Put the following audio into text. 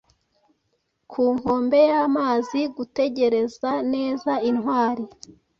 Ku nkombe yamazi gutegereza neza intwari